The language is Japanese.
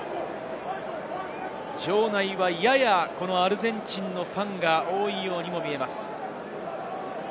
場内はやや、アルゼンチンのファンが多いように見えます。